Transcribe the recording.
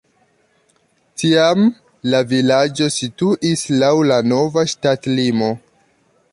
Tiam la vilaĝo situis laŭ la nova ŝtatlimo.